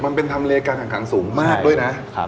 มันเป็นทำเลการแข่งขันสูงมากด้วยนะ